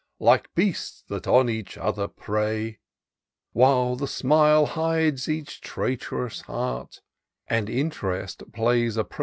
Like beasts that on each other prey ; While the smile hides each trait'rous heart, And interest plays a Protem * part.